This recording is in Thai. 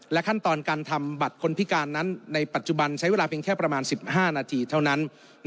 ขั้นตอนการทำบัตรคนพิการนั้นในปัจจุบันใช้เวลาเพียงแค่ประมาณ๑๕นาทีเท่านั้น